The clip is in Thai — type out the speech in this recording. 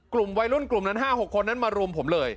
กลุ่มวัยรุ่นกลุ่มนั้น๕๖คนนั้นมารุมผมเลย